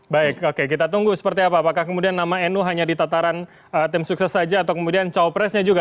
baik kita tunggu seperti apa apakah nama nu hanya ditataran tim sukses saja atau capres cawapresnya juga